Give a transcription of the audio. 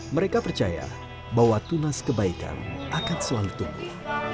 mereka percaya bahwa tunas kebaikan akan selalu tumbuh